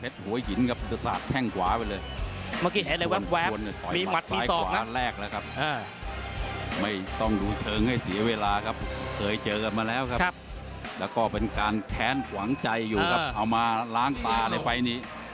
ด้วยใหม่ไฟแรงเหมือนจิมมี่ไหม